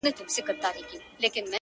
• څه یې مسجد دی څه یې آذان دی ـ